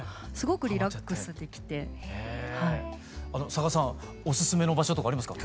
佐賀さんおすすめの場所とかありますか？